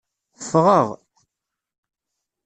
Ffɣeɣ.